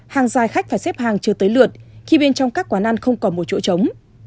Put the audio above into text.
hàng dài khách phải xếp hàng chưa tới lượt khi bên trong các quán ăn không còn một chỗ trống